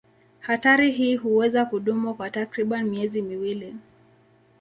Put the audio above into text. Hatari hii huweza kudumu kwa takriban miezi miwili.